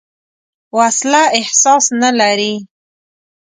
وسله احساس نه لري